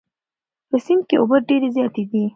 په سیند کې اوبه ډېرې زیاتې دي.